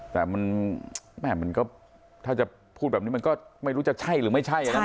แต่แม่มันก็ถ้าจะพูดแบบนี้มันก็ไม่รู้จะใช่หรือไม่ใช่นะ